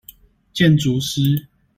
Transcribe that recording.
建築師